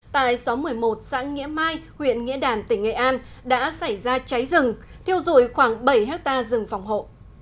tại xóm một mươi một xã nghĩa mai huyện nghĩa đàn tỉnh nghệ an đã xảy ra cháy rừng thiêu rụi khoảng bảy hectare rừng phòng hộ